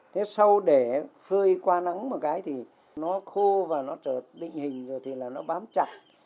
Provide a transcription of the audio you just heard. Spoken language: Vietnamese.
thế sau để hơi qua nắng một cái thì nó khô và nó trợt định hình rồi thì là nó bám chặt